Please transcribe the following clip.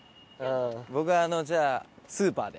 僕あのじゃあスーパーで。